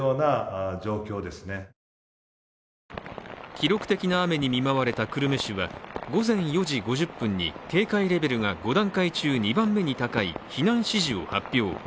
記録的な雨に見舞われた久留米市は午前４時５０分に警戒レベルが５段階中２番目に高い避難指示を発表。